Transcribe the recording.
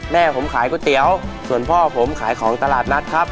แม่ผมขายก๋วยเตี๋ยวส่วนพ่อผมขายของตลาดนัดครับ